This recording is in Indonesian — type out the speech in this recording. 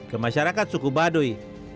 ke masyarakat suku baduy